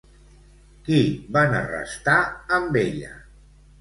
Qui van arrestar amb ella?